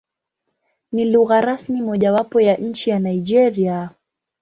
Ni lugha rasmi mojawapo ya nchi ya Nigeria.